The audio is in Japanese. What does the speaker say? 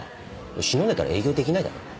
忍んでたら営業できないだろ。